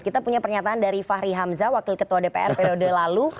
kita punya pernyataan dari fahri hamzah wakil ketua dpr periode lalu